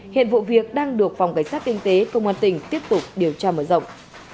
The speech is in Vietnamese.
hiện vụ việc đang được phòng cảnh sát kinh tế công an tỉnh tiếp tục điều tra mở rộng